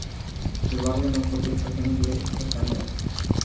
El barrio no posee estaciones de Cercanías.